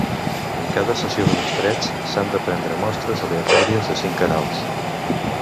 En cada sessió de mostreig s'han de prendre mostres aleatòries de cinc canals.